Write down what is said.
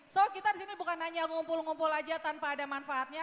so kita di sini bukan hanya ngumpul ngumpul aja tanpa ada manfaatnya